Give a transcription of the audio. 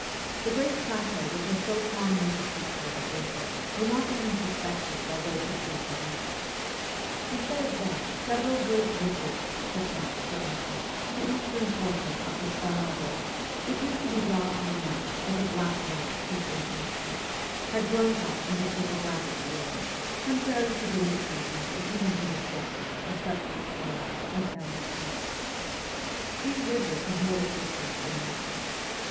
The great plateaux which are so prominent a feature of Asia were not even suspected by those who drew the maps. Instead of them several great ridges, such as, for instance, the eastern portion of the Stanovoi, which used to be drawn on the maps as a black worm creeping eastward, had grown up in the topographic bureaux, contrary to the indications and even to the sketches of such explorers as L. Schwartz. These ridges have no existence in nature.